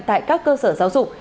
tại các cơ sở giáo dục